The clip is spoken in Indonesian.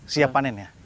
siap panen ya